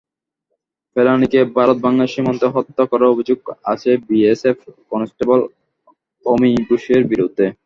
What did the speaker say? ফেলানীকে ভারত-বাংলাদেশ সীমান্তে হত্যা করার অভিযোগ আছে বিএসএফ কনস্টেবল অমিয় ঘোষের বিরুদ্ধে।